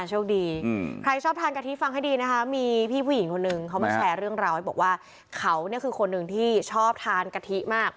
โชคดีใครชอบทานกะทิฟังให้ดีนะคะมีพี่ผู้หญิงคนนึงเขามาแชร์เรื่องราวให้บอกว่าเขาเนี่ยคือคนหนึ่งที่ชอบทานกะทิมาก